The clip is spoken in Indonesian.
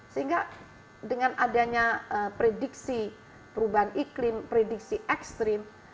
sehingga dengan adanya prediksi perubahan iklim prediksi ekstrim